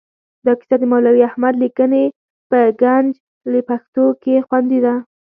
دا کیسه د مولوي احمد لیکلې په ګنج پښتو کې خوندي ده.